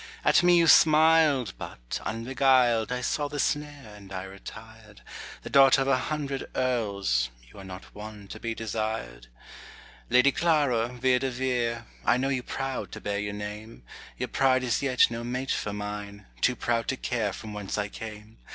At me you smiled, but unbeguiled I saw the snare, and I retired: The daughter of a hundred Earls, You are not one to be desired. Lady Clara Vere de Vere, I know you proud to bear your name; Your pride is yet no mate for mine, Too proud to care from whence I came.